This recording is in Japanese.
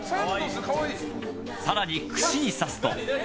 更に串に刺すと。